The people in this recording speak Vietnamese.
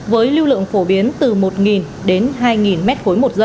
với lưu lượng phổ biến từ một đến hai m một s